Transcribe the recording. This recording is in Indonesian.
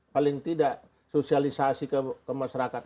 paling tidak sosialisasi ke masyarakat